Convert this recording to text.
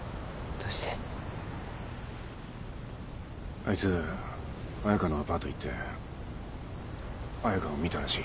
あいつ彩佳のアパート行って彩佳を見たらしい。